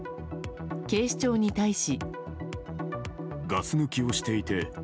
警視庁に対し。